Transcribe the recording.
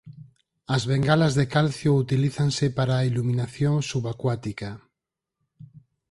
As bengalas de calcio utilízanse para a iluminación subacuática.